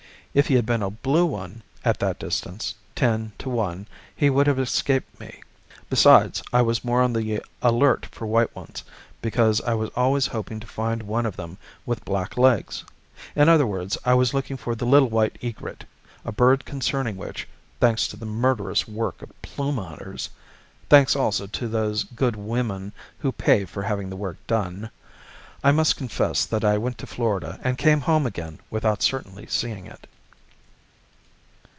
If he had been a blue one, at that distance, ten to one he would have escaped me. Besides, I was more on the alert for white ones, because I was always hoping to find one of them with black legs. In other words, I was looking for the little white egret, a bird concerning which, thanks to the murderous work of plume hunters, thanks, also, to those good women who pay for having the work done, I must confess that I went to Florida and came home again without certainly seeing it.